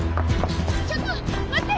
ちょっと待って！